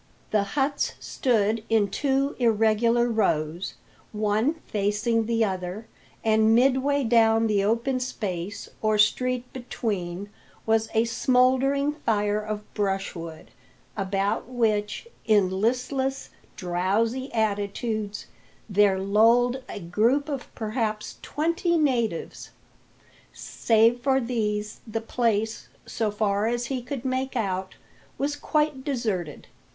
The huts stood in two irregular rows, one facing the other, and midway down the open space or street between was a smouldering fire of brushwood, about which, in listless, drowsy attitudes, there lolled a group of perhaps twenty natives. Save for these the place, so far as he could make out, was quite deserted.